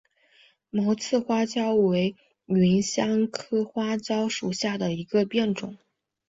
毛刺花椒为芸香科花椒属下的一个变种。